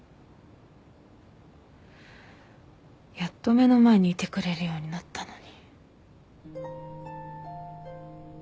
やっと目の前にいてくれるようになったのに。